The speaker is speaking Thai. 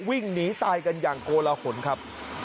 วิ่งหนีตายกันอย่างโกลหนครับ